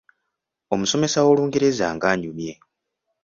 Omusomesa w’Olungereza ng’anyumye!